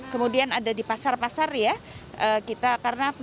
kemudian ada di pasar pasar ya